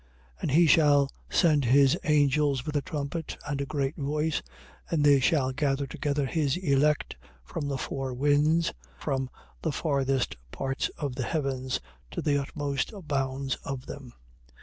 And he shall send his angels with a trumpet and a great voice: and they shall gather together his elect from the four winds, from the farthest parts of the heavens to the utmost bounds of them.